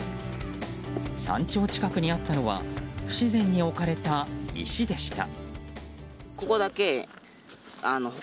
山頂近くにあったのは不自然に置かれた石でした。